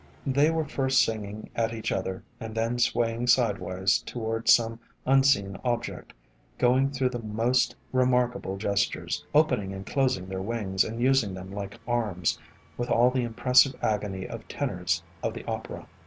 They were first sing ing at each other and then swaying sidewise to ward some unseen object, going through the most remarkable gestures, opening and closing their wings and using them like arms, with all the impressive agony of tenors of the opera.